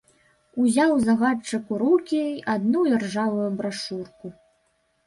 Узяў загадчык у рукі адну іржавую брашурку.